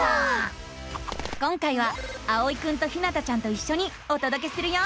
今回はあおいくんとひなたちゃんといっしょにおとどけするよ。